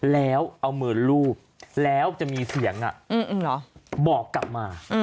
แล้วเอามือลูบแล้วจะมีเสียงบอกกลับมา